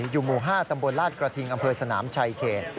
อยู่หมู่๕ตำบลลาดกระทิงอำเภอสนามชายเขต